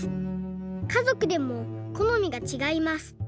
かぞくでもこのみがちがいます。